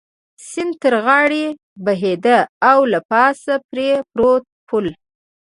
سیند تر غاړې بهېده او له پاسه پرې پروت پل.